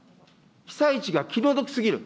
被災地が気の毒すぎる。